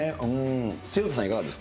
潮田さん、いかがですか。